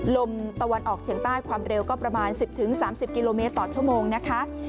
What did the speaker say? ลมตะวันออกเฉียงใต้ความเร็วก็ประมาณ๑๐๓๐กิโลเมตรต่อชั่วโมงนะคะ